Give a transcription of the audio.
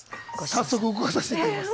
早速動かさせていただきます。